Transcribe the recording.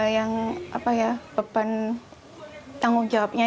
yang beban tanggung jawabnya